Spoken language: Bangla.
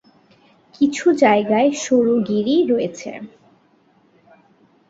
কিছু জায়গায় সরু গিরি রয়েছে।